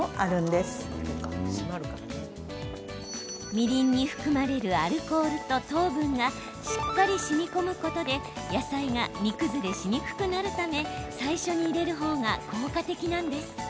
みりんに含まれるアルコールと糖分がしっかりしみこむことで野菜が煮崩れしにくくなるため最初に入れる方が効果的なんです。